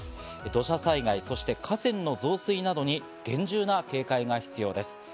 土砂災害、そして河川の増水などに厳重な警戒が必要です。